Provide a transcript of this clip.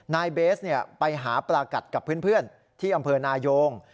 นายเบสไปหาปลากัดกับเพื่อนที่อำเภอนายง